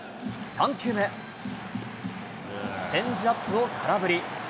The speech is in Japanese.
チェンジアップを空振り。